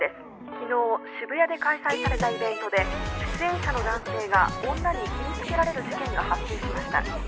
「昨日渋谷で開催されたイベントで出演者の男性が女に切りつけられる事件が発生しました」